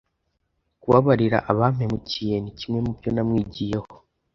Kubabarira abampemukiye ni kimwe mu byo namwigiyeho,